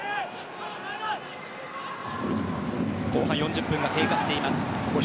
後半４０分が経過しています。